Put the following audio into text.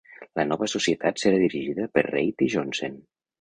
La nova societat serà dirigida per Reid i Johnsen.